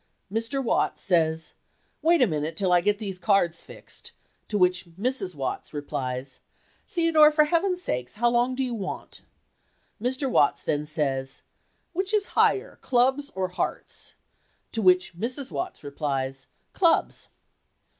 Mr. Watts then says, "Wait a minute, till I get these cards fixed"; to which Mrs. Watts replies, "Theodore, for Heaven's sake, how long do you want?" Mr. Watts then says, "Which is higher—clubs or hearts?" to which Mrs. Watts replies, "Clubs."